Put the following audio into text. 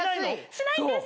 しないんです。